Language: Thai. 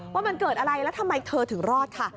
ว่ามันเกิดอะไรแล้วทำไมเธอถึงรอดค่ะ